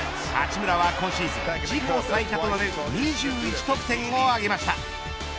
八村は、今シーズン自己最多の２１得点を挙げました。